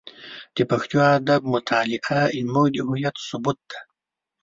د پښتو ادب مطالعه زموږ د هویت ثبوت دی.